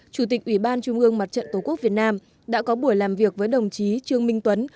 chủ tịch ủy ban trung ương mặt trận tổ quốc việt nam đã có buổi làm việc với đồng chí trương minh tuấn